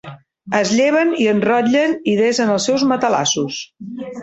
Es lleven i enrotllen i desen els seus matalassos.